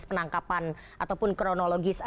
penangkapan ataupun kronologis